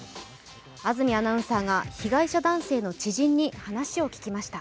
安住アナウンサーが被害者男性の知人に話を聞きました。